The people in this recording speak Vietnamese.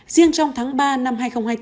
riêng trong tháng ba năm hai nghìn hai mươi bốn